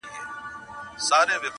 ویل جار دي تر نامه سم مُلاجانه -